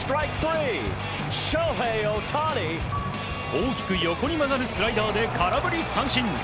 大きく横に曲がるスライダーで空振り三振。